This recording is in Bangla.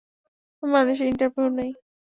আমি মানুষের ইন্টারভিউ নেই।